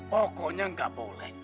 pokoknya gak boleh